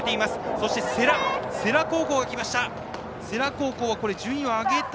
そして世羅高校も来た。